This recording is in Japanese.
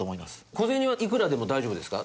小銭はいくらでも大丈夫ですか？